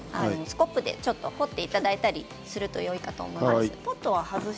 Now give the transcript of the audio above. スコップでちょっと掘っていただいたりするといいと思います。